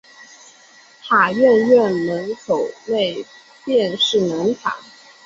塔院院门内便是南塔。